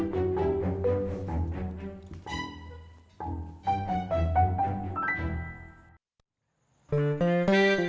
mak harusnya dipikir sama orang lain